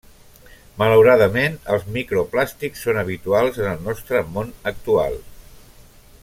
Malauradament, els microplàstics són habituals en el nostre món actual.